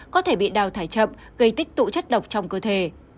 có thể bị đào thải chậm gây tích tụ chất độc trong cơ thể